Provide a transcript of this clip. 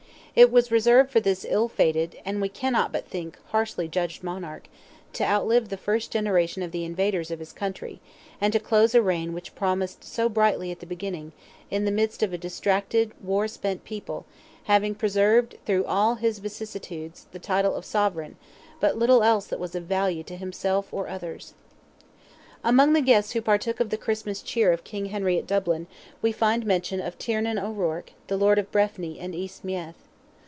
It was reserved for this ill fated, and, we cannot but think, harshly judged monarch, to outlive the first generation of the invaders of his country, and to close a reign which promised so brightly at the beginning, in the midst of a distracted, war spent people, having preserved through all vicissitudes the title of sovereign, but little else that was of value to himself or others. Among the guests who partook of the Christmas cheer of King Henry at Dublin, we find mention of Tiernan O'Ruarc, the lord of Breffni and East Meath.